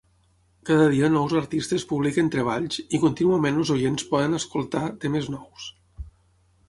Cada dia nous artistes publiquen treballs i contínuament els oients poden escoltar temes nous.